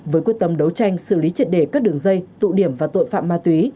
với quyết tâm đấu tranh xử lý triệt đề các đường dây tụ điểm và tội phạm ma túy